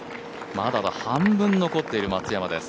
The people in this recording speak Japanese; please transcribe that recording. まだ半分残っている松山です。